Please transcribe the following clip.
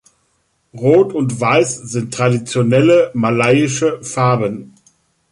Rot und Weiß sind traditionelle malaiische Farben.